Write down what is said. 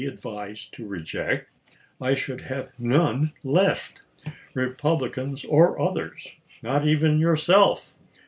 advised to reject, I should have none left, Republicans or others — not even yourself.